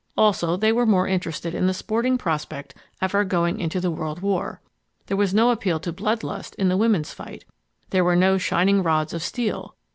Also they were more interested in the sporting prospect of our going into the world war. There was no appeal to blood lust in the women's fight. There were no shining rods of steel.